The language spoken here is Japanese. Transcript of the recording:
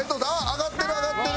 揚がってる揚がってる！